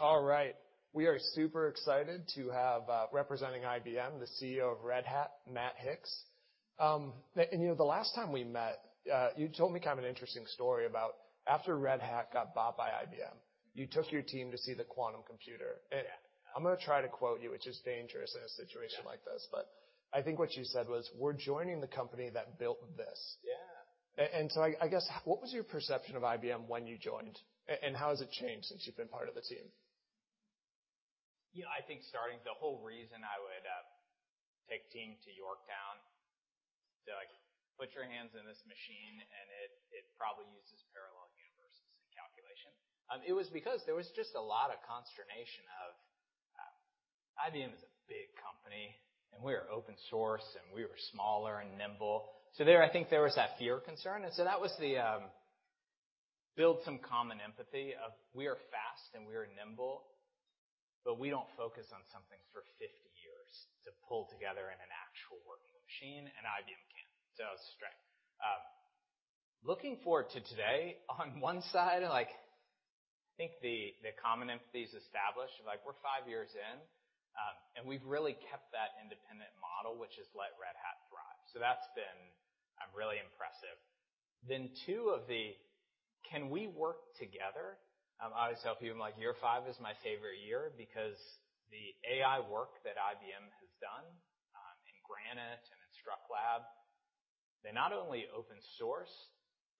All right. We are super excited to have, representing IBM, the CEO of Red Hat, Matt Hicks. You know, the last time we met, you told me kind of an interesting story about after Red Hat got bought by IBM, you took your team to see the quantum computer. Yeah. I'm going to try to quote you, which is dangerous in a situation like this, but I think what you said was, "We're joining the company that built this. Yeah. I guess, what was your perception of IBM when you joined and how has it changed since you've been part of the team? I think starting, the whole reason I would take team to Yorktown to put your hands in this machine and it probably uses parallel universes in calculation. It was because there was just a lot of consternation of IBM is a big company, and we are open source, and we are smaller and nimble. There, I think there was that fear concern. That was the build some common empathy of we are fast and we are nimble, but we don't focus on something for 50 years to pull together in an actual working machine, and IBM can. It was strength. Looking forward to today, on one side, I think the common empathy is established. We're five years in, and we've really kept that independent model, which has let Red Hat thrive. That's been really impressive. Two of the can we work together? I always tell people I'm like, "Year five is my favorite year," because the AI work that IBM has done, in Granite and in InstructLab, they not only open source,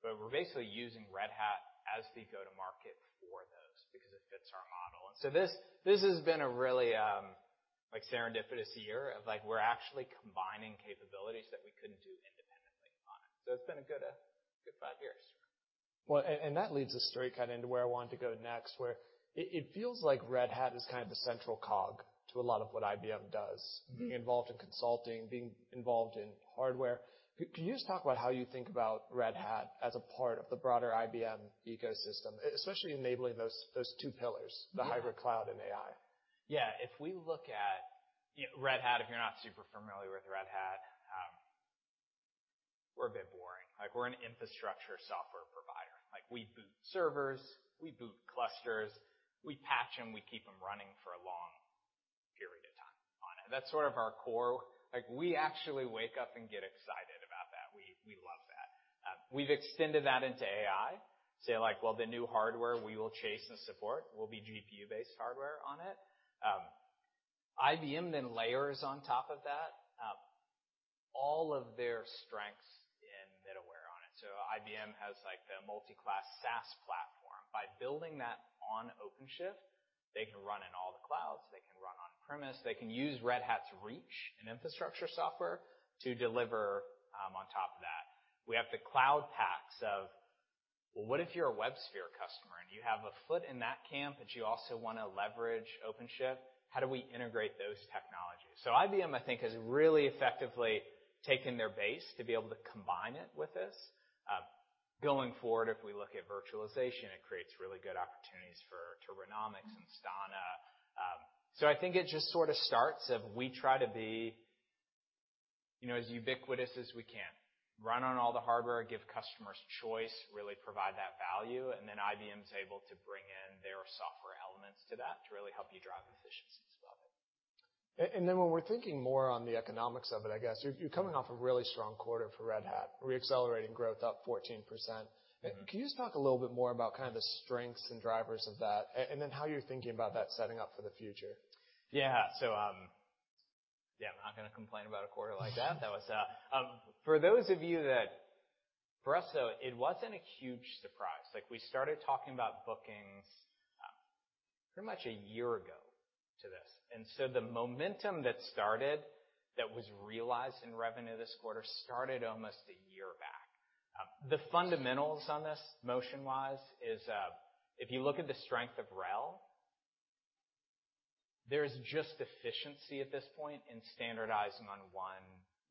but we're basically using Red Hat as the go-to-market for those because it fits our model. This has been a really serendipitous year of we're actually combining capabilities that we couldn't do independently on it. It's been a good five years. That leads us straight kind of into where I wanted to go next. It feels like Red Hat is kind of the central cog to a lot of what IBM does. Being involved in consulting, being involved in hardware. Can you just talk about how you think about Red Hat as a part of the broader IBM ecosystem, especially enabling those two pillars. Yeah The hybrid cloud and AI? Yeah. If we look at Red Hat, if you're not super familiar with Red Hat, we're a bit boring. We're an infrastructure software provider. We boot servers, we boot clusters, we patch them, we keep them running for a long period of time on it. That's sort of our core. We actually wake up and get excited about that. We love that. We've extended that into AI, say, like while the new hardware we will chase and support will be GPU-based hardware on it. IBM then layers on top of that all of their strengths in middleware on it. IBM has the multi-class SaaS platform. By building that on OpenShift, they can run in all the clouds, they can run on-premise, they can use Red Hat's reach in infrastructure software to deliver on top of that. We have the Cloud Paks of, well, what if you're a WebSphere customer and you have a foot in that camp, but you also want to leverage OpenShift? How do we integrate those technologies? IBM, I think, has really effectively taken their base to be able to combine it with this. Going forward, if we look at virtualization, it creates really good opportunities for Turbonomic and Instana. I think it just sort of starts of we try to be as ubiquitous as we can. Run on all the hardware, give customers choice, really provide that value, and then IBM's able to bring in their software elements to that to really help you drive efficiencies with it. When we're thinking more on the economics of it, I guess, you're coming off a really strong quarter for Red Hat, re-accelerating growth up 14%. Can you just talk a little bit more about kind of the strengths and drivers of that, and then how you're thinking about that setting up for the future? Yeah. I'm not going to complain about a quarter like that. For us, though, it wasn't a huge surprise. We started talking about bookings pretty much a year ago to this. The momentum that started, that was realized in revenue this quarter started almost a year back. The fundamentals on this motion-wise is, if you look at the strength of RHEL, there's just efficiency at this point in standardizing on one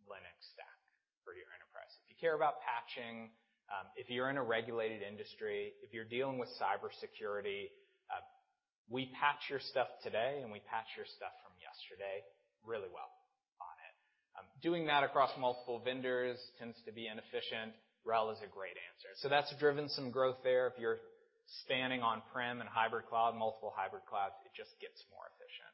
Linux stack for your enterprise. If you care about patching, if you're in a regulated industry, if you're dealing with cybersecurity, we patch your stuff today, and we patch your stuff from yesterday really well on it. Doing that across multiple vendors tends to be inefficient. RHEL is a great answer. That's driven some growth there. If you're spanning on-prem and hybrid cloud, multiple hybrid clouds, it just gets more efficient.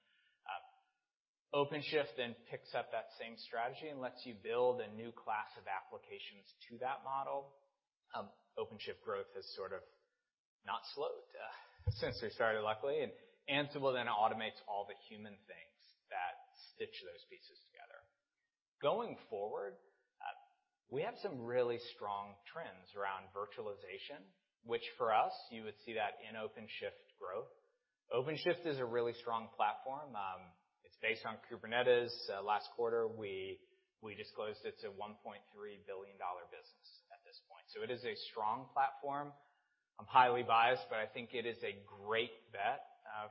OpenShift then picks up that same strategy and lets you build a new class of applications to that model. OpenShift growth has sort of not slowed since we started, luckily. Ansible then automates all the human things that stitch those pieces together. Going forward, we have some really strong trends around virtualization, which for us, you would see that in OpenShift growth. OpenShift is a really strong platform. It's based on Kubernetes. Last quarter, we disclosed it's a $1.3 billion business at this point. It is a strong platform. I'm highly biased, but I think it is a great bet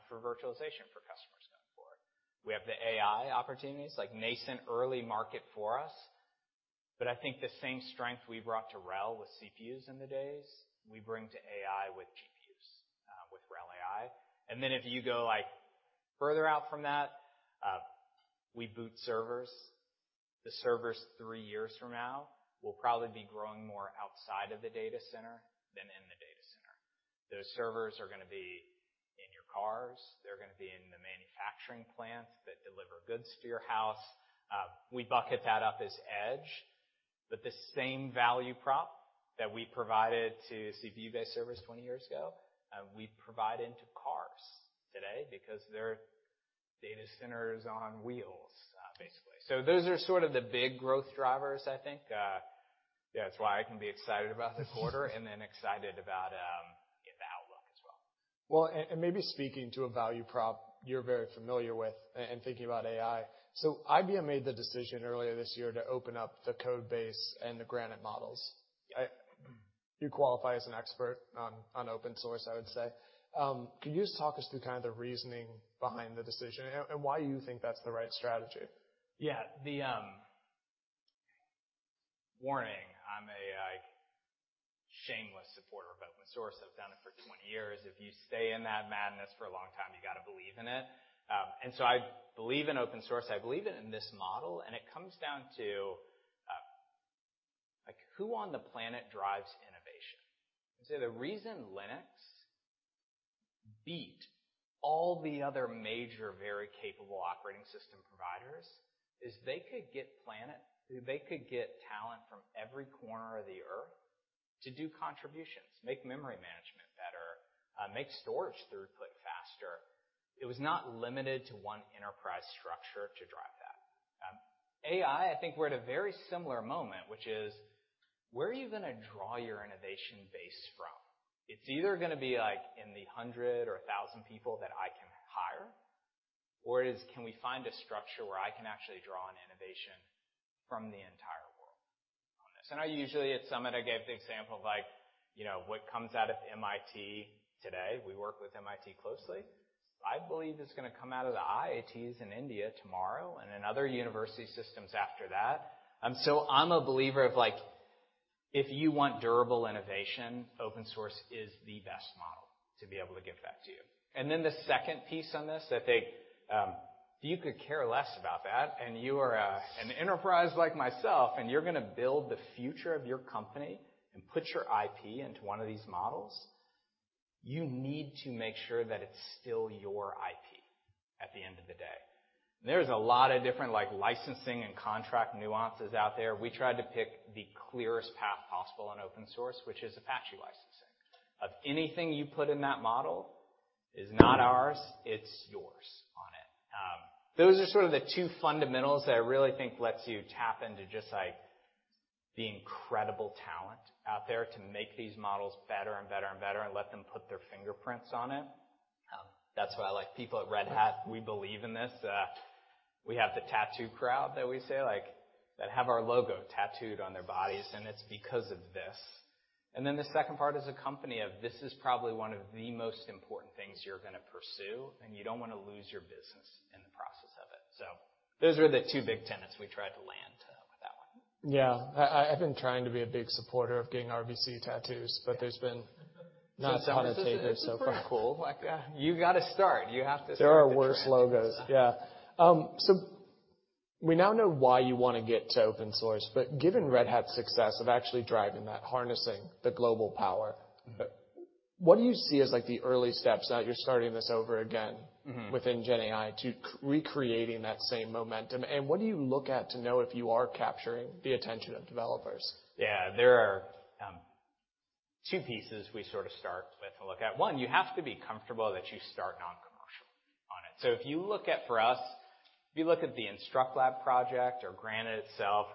for virtualization for customers going forward. We have the AI opportunities, like nascent early market for us, but I think the same strength we brought to RHEL with CPUs in the days, we bring to AI with GPUs, with RHEL AI. If you go further out from that, we boot servers. The servers three years from now will probably be growing more outside of the data center than in the data center. Those servers are going to be in your cars. They're going to be in the manufacturing plants that deliver goods to your house. We bucket that up as edge, but the same value prop that we provided to CPU-based servers 20 years ago, we provide into cars today because they're data centers on wheels, basically. Those are sort of the big growth drivers, I think. Yeah, it's why I can be excited about the quarter and then excited about the outlook as well. Maybe speaking to a value prop you're very familiar with and thinking about AI. IBM made the decision earlier this year to open up the code base and the Granite models. Yeah. You qualify as an expert on open source, I would say. Can you just talk us through kind of the reasoning behind the decision and why you think that's the right strategy? Warning, I'm a shameless supporter of open source. I've done it for 20 years. If you stay in that madness for a long time, you got to believe in it. I believe in open source. I believe it in this model, and it comes down to who on the planet drives innovation? I'd say the reason Linux beat all the other major, very capable operating system providers is they could get talent from every corner of the Earth to do contributions, make memory management better, make storage throughput faster. It was not limited to one enterprise structure to drive that. AI, I think we're at a very similar moment, which is, where are you going to draw your innovation base from? It's either going to be in the 100 or 1,000 people that I can hire, or it is can we find a structure where I can actually draw on innovation from the entire world on this? Usually at Summit, I gave the example of what comes out of MIT today. We work with MIT closely. I believe it's going to come out of the IITs in India tomorrow and in other university systems after that. I'm a believer of if you want durable innovation, open source is the best model to be able to give that to you. The second piece on this, I think, if you could care less about that and you are an enterprise like myself, you're going to build the future of your company and put your IP into one of these models, you need to make sure that it's still your IP at the end of the day. There's a lot of different licensing and contract nuances out there. We tried to pick the clearest path possible on open source, which is Apache licensing, of anything you put in that model is not ours, it's yours on it. Those are sort of the two fundamentals that I really think lets you tap into just the incredible talent out there to make these models better and better and better and let them put their fingerprints on it. That's why people at Red Hat, we believe in this. We have the tattoo crowd that we say that have our logo tattooed on their bodies, it's because of this. The second part as a company of this is probably one of the most important things you're going to pursue, you don't want to lose your business in the process of it. Those are the two big tenets we tried to land with that one. Yeah. I've been trying to be a big supporter of getting RBC tattoos, there's been not a lot of takers so far. It's pretty cool. You got to start. You have to start the trend. There are worse logos. Yeah. We now know why you want to get to open source, but given Red Hat's success of actually driving that, harnessing the global power- -what do you see as the early steps, now that you're starting this over again- within GenAI to recreating that same momentum? What do you look at to know if you are capturing the attention of developers? Yeah. There are two pieces we sort of start with to look at. One, you have to be comfortable that you start non-commercially on it. If you look at, for us, if you look at the InstructLab project or Granite itself,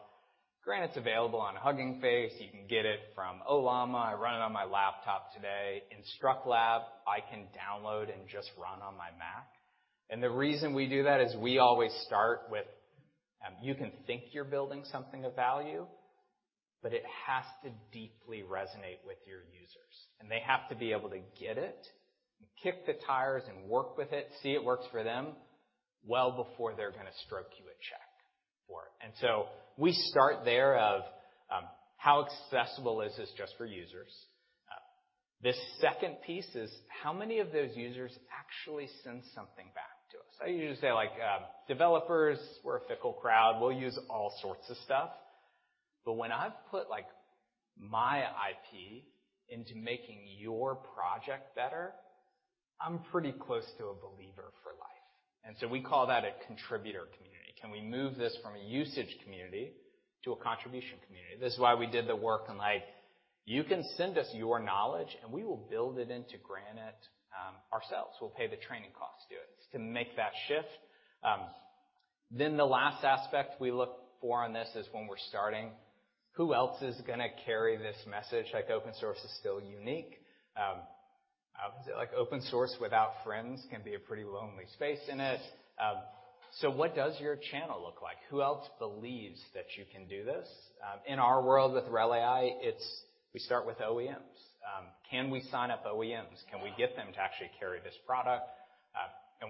Granite's available on Hugging Face. You can get it from Ollama. I run it on my laptop today. InstructLab, I can download and just run on my Mac. The reason we do that is we always start with, you can think you're building something of value, but it has to deeply resonate with your users. They have to be able to get it and kick the tires and work with it, see it works for them well before they're going to stroke you a check for it. We start there of, how accessible is this just for users? The second piece is how many of those users actually send something back to us? I usually say developers, we're a fickle crowd. We'll use all sorts of stuff. When I've put my IP into making your project better, I'm pretty close to a believer for life. We call that a contributor community. Can we move this from a usage community to a contribution community? This is why we did the work on like, you can send us your knowledge, and we will build it into Granite ourselves. We'll pay the training costs to do it to make that shift. The last aspect we look for on this is when we're starting, who else is going to carry this message? Like open source is still unique. Like open source without friends can be a pretty lonely space in it. What does your channel look like? Who else believes that you can do this? In our world with RHEL AI, we start with OEMs. Can we sign up OEMs? Can we get them to actually carry this product?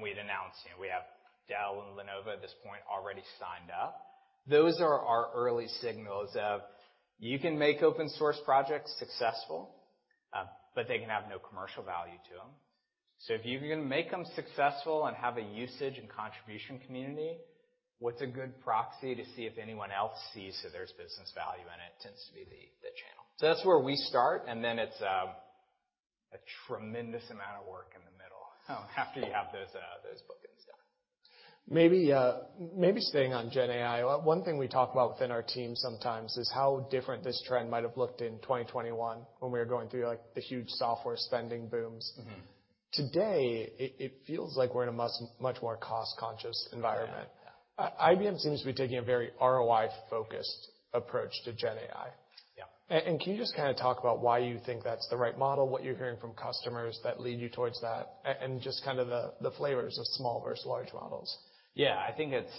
We had announced we have Dell and Lenovo at this point already signed up. Those are our early signals of you can make open source projects successful. They can have no commercial value to them. If you're going to make them successful and have a usage and contribution community, what's a good proxy to see if anyone else sees that there's business value in it tends to be the channel. That's where we start, and then it's a tremendous amount of work in the middle after you have those bookings done. Maybe staying on GenAI, one thing we talk about within our team sometimes is how different this trend might have looked in 2021 when we were going through the huge software spending booms. Today, it feels like we're in a much more cost-conscious environment. Yeah. IBM seems to be taking a very ROI-focused approach to GenAI. Yeah. Can you just kind of talk about why you think that's the right model, what you're hearing from customers that lead you towards that, and just kind of the flavors of small versus large models? Yeah, I think it's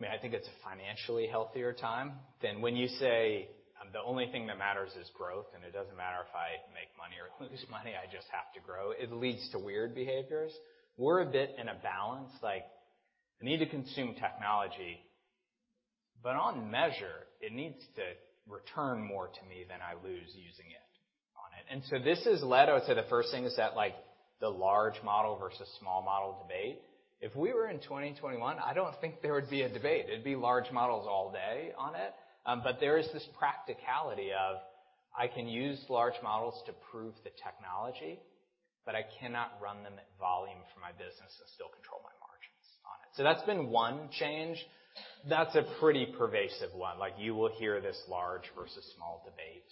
a financially healthier time than when you say, "The only thing that matters is growth, and it doesn't matter if I make money or lose money, I just have to grow." It leads to weird behaviors. We're a bit in a balance, like I need to consume technology, but on measure, it needs to return more to me than I lose using it on it. This has led, I would say, the first thing is that the large model versus small model debate. If we were in 2021, I don't think there would be a debate. It'd be large models all day on it. There is this practicality of, I can use large models to prove the technology, but I cannot run them at volume for my business and still control my margins on it. That's been one change. That's a pretty pervasive one. You will hear this large versus small debate.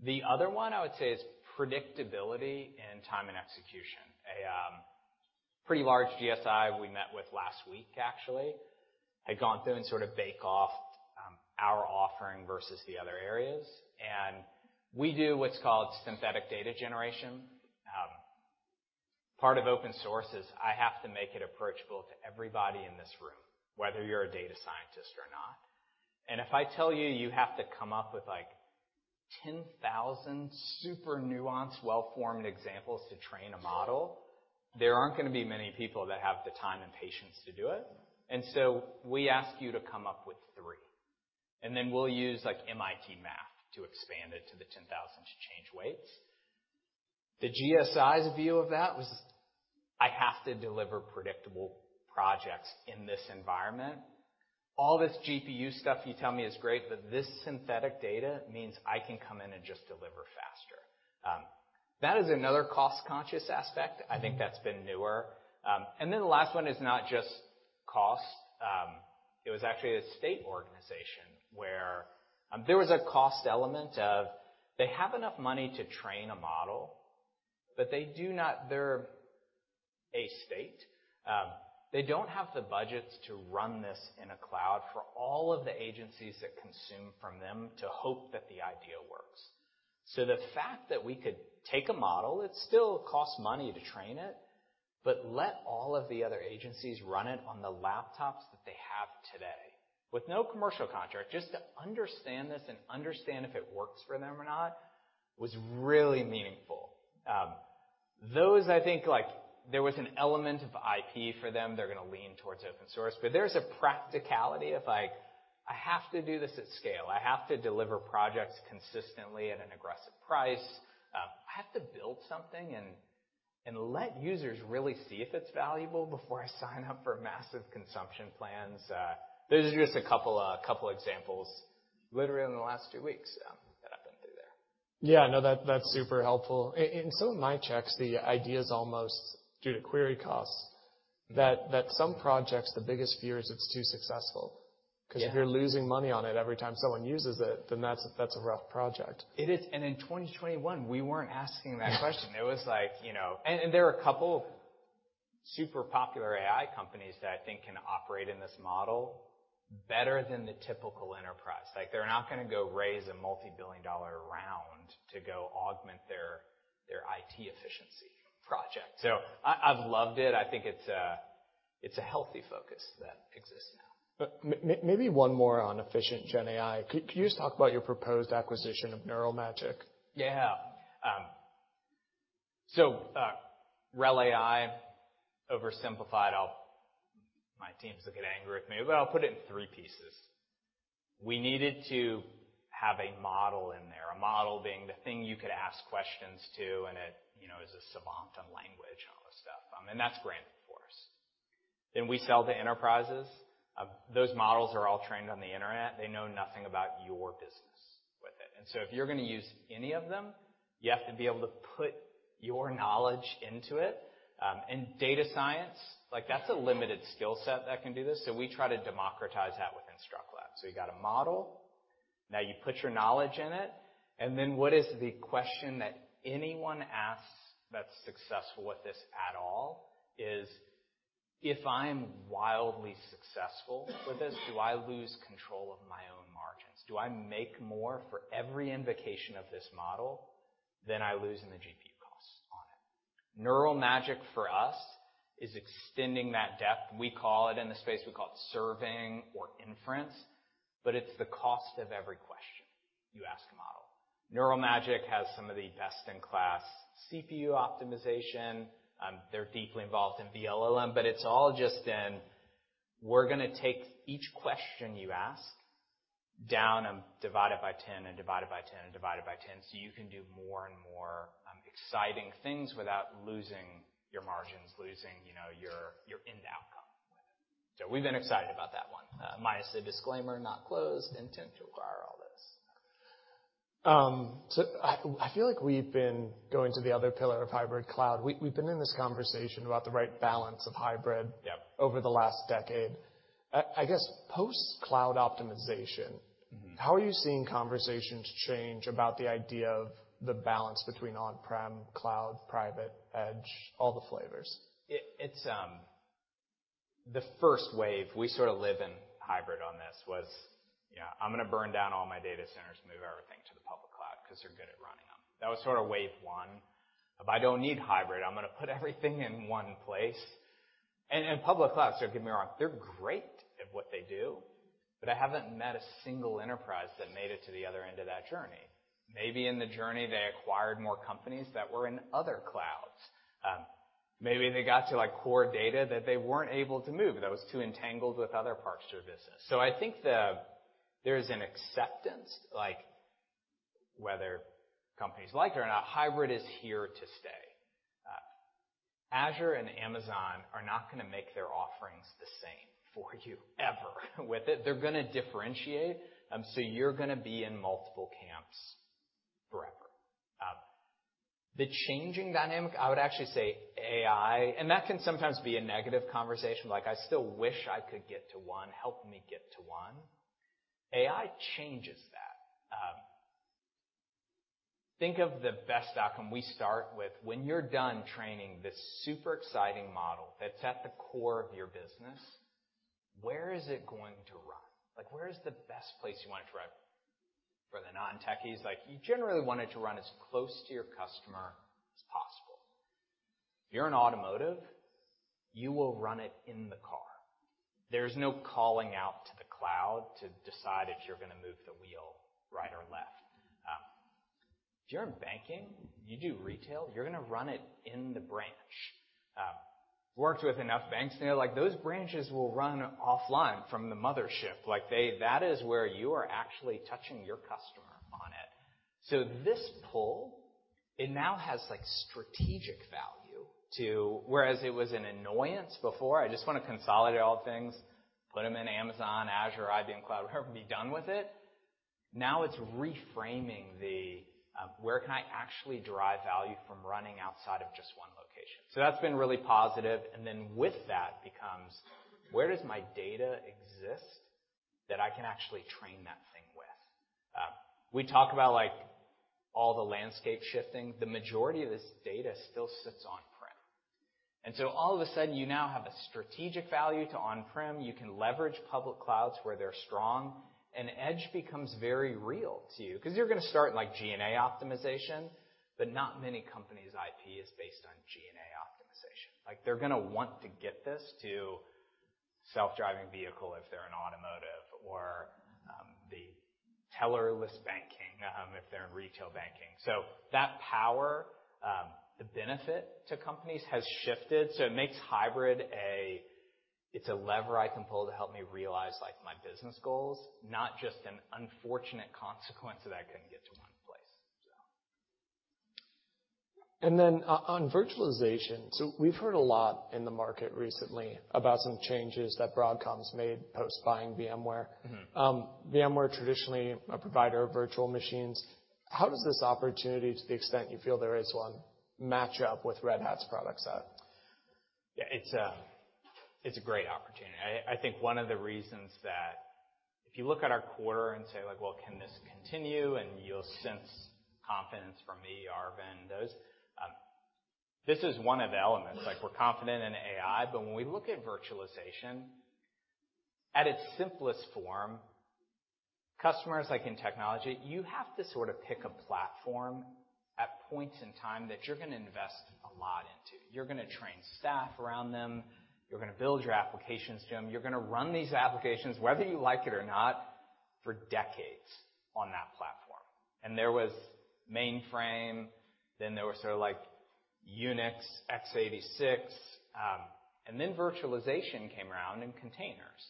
The other one, I would say, is predictability in time and execution. A pretty large GSI we met with last week actually, had gone through and sort of bake-offed our offering versus the other areas. We do what's called synthetic data generation. Part of open source is I have to make it approachable to everybody in this room, whether you're a data scientist or not. If I tell you have to come up with 10,000 super nuanced, well-formed examples to train a model, there aren't going to be many people that have the time and patience to do it. We ask you to come up with three, and then we'll use MIT math to expand it to the 10,000 to change weights. The GSI's view of that was, "I have to deliver predictable projects in this environment. All this GPU stuff you tell me is great, but this synthetic data means I can come in and just deliver faster." That is another cost-conscious aspect. I think that's been newer. The last one is not just cost. It was actually a state organization where there was a cost element of they have enough money to train a model, but they're a state. They don't have the budgets to run this in a cloud for all of the agencies that consume from them to hope that the idea works. The fact that we could take a model, it still costs money to train it, but let all of the other agencies run it on the laptops that they have today with no commercial contract, just to understand this and understand if it works for them or not, was really meaningful. Those, I think there was an element of IP for them. They're going to lean towards open-source, but there's a practicality of like, I have to do this at scale. I have to deliver projects consistently at an aggressive price. I have to build something and let users really see if it's valuable before I sign up for massive consumption plans. Those are just a couple examples literally in the last two weeks that I've been through there. Yeah, no, that's super helpful. In some of my checks, the idea is almost due to query costs, that some projects, the biggest fear is it's too successful. Yeah. If you're losing money on it every time someone uses it, then that's a rough project. It is, in 2021, we weren't asking that question. There are a couple super popular AI companies that I think can operate in this model better than the typical enterprise. They're not going to go raise a multi-billion dollar round to go augment their IT efficiency project. I've loved it. I think it's a healthy focus that exists now. Maybe one more on efficient GenAI. Could you just talk about your proposed acquisition of Neural Magic? Yeah. RHEL AI, oversimplified, my teams will get angry at me, but I'll put it in three pieces. We needed to have a model in there, a model being the thing you could ask questions to, and it is a savant on language and all this stuff. That's Granite, of course. We sell to enterprises. Those models are all trained on the Internet. They know nothing about your business with it. If you're going to use any of them, you have to be able to put your knowledge into it. Data science, that's a limited skill set that can do this. We try to democratize that within InstructLab. You've got a model. Now you put your knowledge in it, what is the question that anyone asks that's successful with this at all is, if I'm wildly successful with this, do I lose control of my own margins? Do I make more for every invocation of this model than I lose in the GPU costs on it? Neural Magic, for us, is extending that depth. We call it in the space, we call it serving or inference, but it's the cost of every question you ask a model. Neural Magic has some of the best-in-class CPU optimization. They're deeply involved in vLLM, but it's all just in We're going to take each question you ask down and divide it by 10 and divide it by 10 and divide it by 10, so you can do more and more exciting things without losing your margins, losing your end outcome with it. We've been excited about that one. Minus the disclaimer, not closed, intent to acquire, all this. I feel like we've been going to the other pillar of hybrid cloud. We've been in this conversation about the right balance of hybrid- Yep over the last decade. I guess post-cloud optimization- How are you seeing conversations change about the idea of the balance between on-prem, cloud, private, edge, all the flavors? The first wave, we sort of live in hybrid on this was, I'm going to burn down all my data centers and move everything to the public cloud because they're good at running them. That was sort of wave one of, I don't need hybrid. I'm going to put everything in one place. Public clouds, don't get me wrong, they're great at what they do, but I haven't met a single enterprise that made it to the other end of that journey. Maybe in the journey, they acquired more companies that were in other clouds. Maybe they got to core data that they weren't able to move that was too entangled with other parts of their business. I think there's an acceptance, whether companies like it or not, hybrid is here to stay. Azure and Amazon are not going to make their offerings the same for you, ever. They're going to differentiate, you're going to be in multiple camps forever. The changing dynamic, I would actually say AI, and that can sometimes be a negative conversation. Like, "I still wish I could get to one. Help me get to one." AI changes that. Think of the best outcome we start with. When you're done training this super exciting model that's at the core of your business, where is it going to run? Where is the best place you want it to run? For the non-techies, you generally want it to run as close to your customer as possible. If you're in automotive, you will run it in the car. There's no calling out to the cloud to decide if you're going to move the wheel right or left. If you're in banking, you do retail, you're going to run it in the branch. Worked with enough banks to know those branches will run offline from the mothership. That is where you are actually touching your customer on it. This pull, it now has strategic value to-- whereas it was an annoyance before, I just want to consolidate all things, put them in Amazon, Azure, IBM Cloud, whatever, and be done with it. Now it's reframing the, where can I actually derive value from running outside of just one location? That's been really positive. Then with that becomes, where does my data exist that I can actually train that thing with? We talk about all the landscape shifting. The majority of this data still sits on-prem. All of a sudden, you now have a strategic value to on-prem. You can leverage public clouds where they're strong, and edge becomes very real to you because you're going to start GenAI optimization, but not many companies' IP is based on GenAI optimization. They're going to want to get this to self-driving vehicle if they're in automotive or the teller-less banking, if they're in retail banking. That power, the benefit to companies has shifted, it makes hybrid a lever I can pull to help me realize my business goals, not just an unfortunate consequence that I couldn't get to one place. On virtualization, we've heard a lot in the market recently about some changes that Broadcom made post buying VMware. VMware, traditionally a provider of virtual machines. How does this opportunity, to the extent you feel there is one, match up with Red Hat's product set? Yeah, it's a great opportunity. I think one of the reasons that if you look at our quarter and say, "Well, can this continue?" You'll sense confidence from me, Arvind. This is one of the elements, we're confident in AI, but when we look at virtualization, at its simplest form, customers in technology, you have to sort of pick a platform at points in time that you're going to invest a lot into. You're going to train staff around them. You're going to build your applications, Jim. You're going to run these applications, whether you like it or not, for decades on that platform. There was mainframe, then there was sort of Unix, x86, and then virtualization came around and containers.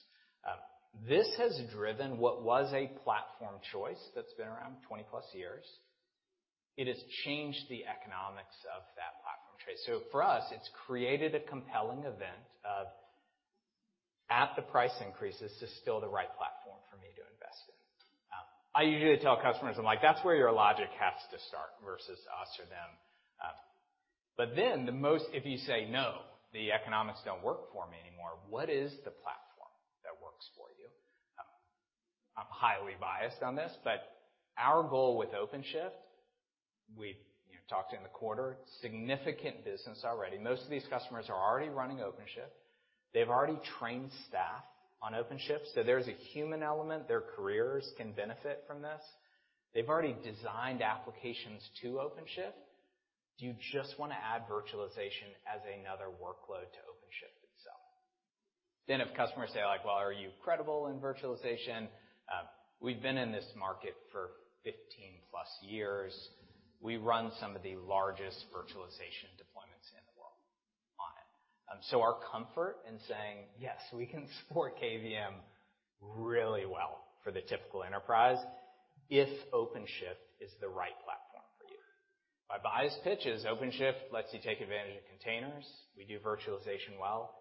This has driven what was a platform choice that's been around 20 plus years. It has changed the economics of that platform choice. For us, it's created a compelling event of at the price increases, this is still the right platform for me to invest in. I usually tell customers, I'm like, "That's where your logic has to start versus us or them." If you say, "No, the economics don't work for me anymore," what is the platform that works for you? I'm highly biased on this, but our goal with OpenShift, we talked in the quarter, significant business already. Most of these customers are already running OpenShift. They've already trained staff on OpenShift, so there's a human element. Their careers can benefit from this. They've already designed applications to OpenShift. Do you just want to add virtualization as another workload to OpenShift itself? If customers say, "Well, are you credible in virtualization?" We've been in this market for 15 plus years. We run some of the largest virtualization deployments in the world on it. Our comfort in saying, "Yes, we can support KVM really well for the typical enterprise, if OpenShift is the right platform for you." My biased pitch is OpenShift lets you take advantage of containers. We do virtualization well,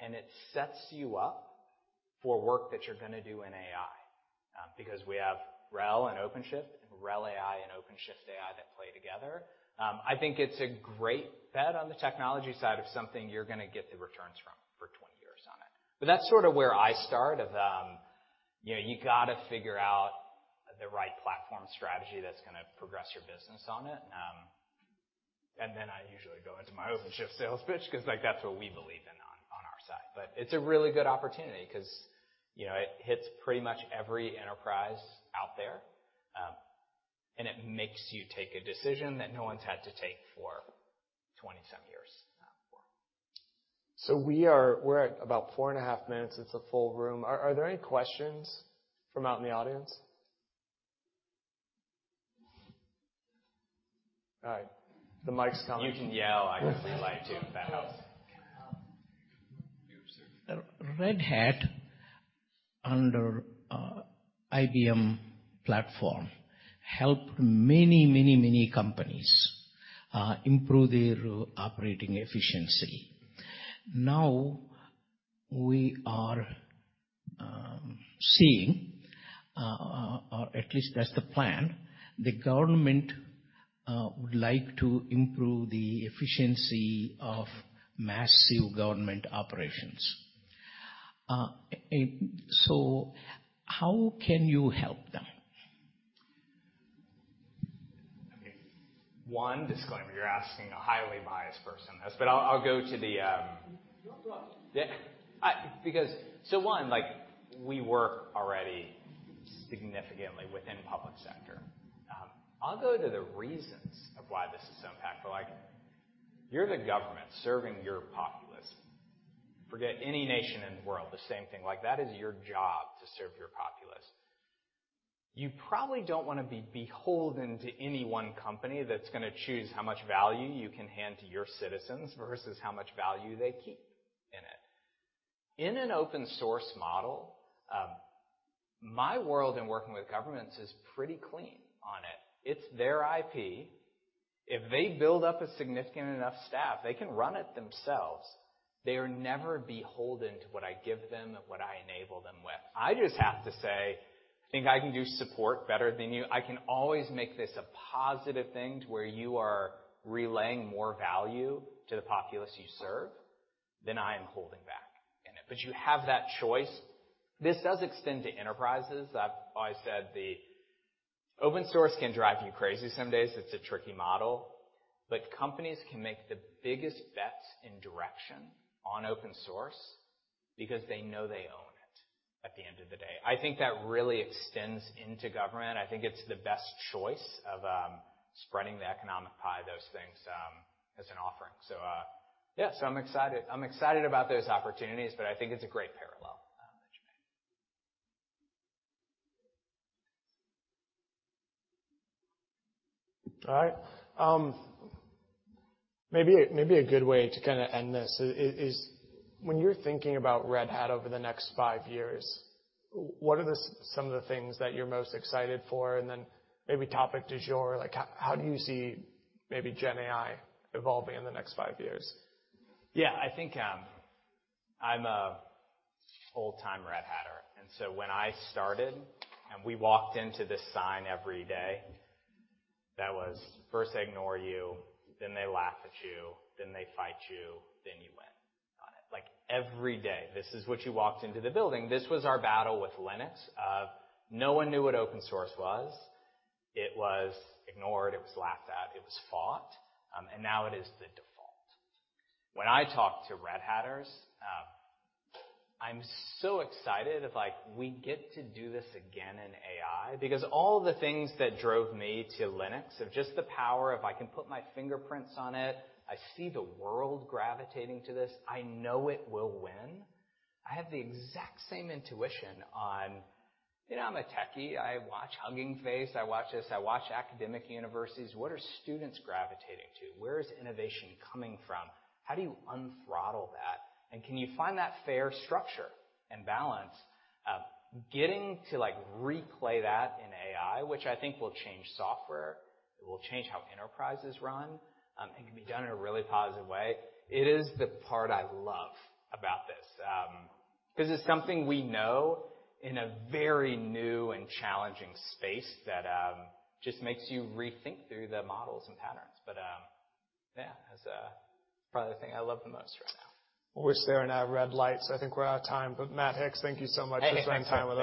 and it sets you up for work that you're going to do in AI. Because we have RHEL and OpenShift, RHEL AI and OpenShift AI that play together. I think it's a great bet on the technology side of something you're going to get the returns from for 20 years on it. That's sort of where I start, you got to figure out the right platform strategy that's going to progress your business on it. Then I usually go into my OpenShift sales pitch because that's what we believe in on our side. It's a really good opportunity because, it hits pretty much every enterprise out there. It makes you take a decision that no one's had to take for 20-some years before. We're at about four and a half minutes. It's a full room. Are there any questions from out in the audience? All right. The mic's coming. You can yell. I can relay it to the back of the house. Can I help you, sir? Red Hat under IBM platform helped many, many, many companies, improve their operating efficiency. We are seeing, or at least that's the plan, the government would like to improve the efficiency of massive government operations. How can you help them? One disclaimer, you're asking a highly biased person this. Go on. One, we work already significantly within public sector. I'll go to the reasons of why this is so impactful. You're the government serving your populace. Forget any nation in the world, the same thing. That is your job, to serve your populace. You probably don't want to be beholden to any one company that's going to choose how much value you can hand to your citizens versus how much value they keep in it. In an open source model, my world in working with governments is pretty clean on it. It's their IP. If they build up a significant enough staff, they can run it themselves. They are never beholden to what I give them and what I enable them with. I just have to say, "I think I can do support better than you. I can always make this a positive thing to where you are relaying more value to the populace you serve than I am holding back in it." You have that choice. This does extend to enterprises. I've always said the open source can drive you crazy some days. It's a tricky model. Companies can make the biggest bets in direction on open source because they know they own it at the end of the day. I think that really extends into government. I think it's the best choice of spreading the economic pie, those things, as an offering. Yeah. I'm excited. I'm excited about those opportunities. I think it's a great parallel that you made. All right. Maybe a good way to end this is when you're thinking about Red Hat over the next five years, what are some of the things that you're most excited for? Maybe topic du jour, how do you see maybe gen AI evolving in the next five years? Yeah. I think I'm a old-time Red Hatter, and so when I started and we walked into this sign every day that was, "First they ignore you, then they laugh at you, then they fight you, then you win," on it. Every day. This is what you walked into the building. This was our battle with Linux. No one knew what open source was. It was ignored. It was laughed at. It was fought. Now it is the default. When I talk to Red Hatters, I'm so excited of, we get to do this again in AI because all the things that drove me to Linux, of just the power of I can put my fingerprints on it. I see the world gravitating to this. I know it will win. I have the exact same intuition on, I'm a techie. I watch Hugging Face. I watch this. I watch academic universities. What are students gravitating to? Where is innovation coming from? How do you unthrottle that? Can you find that fair structure and balance of getting to replay that in AI, which I think will change software. It will change how enterprises run. It can be done in a really positive way. It is the part I love about this. It's something we know in a very new and challenging space that just makes you rethink through the models and patterns. Yeah, that's probably the thing I love the most right now. Well, we're staring at red lights. I think we're out of time. Matt Hicks, thank you so much for spending time with us.